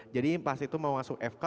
jadi pas itu mau masuk fk